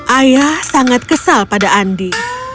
ayah sangat kesal pada andi